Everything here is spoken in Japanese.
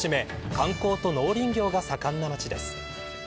観光と農林業が盛んな町です。